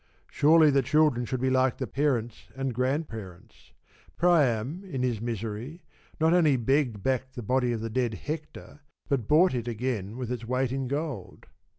Surely the children should be like the parents and grandparents. Priam, in his misery, not only begged back the body of the dead Hector, but bought it again with its weight in gold.